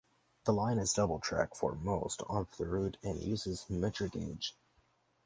The line is double track for most of the route and uses Metre Gauge.